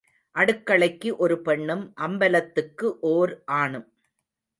அடுக்களைக்கு ஒரு பெண்ணும் அம்பலத்துக்கு ஓர் ஆணும்.